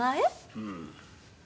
うん。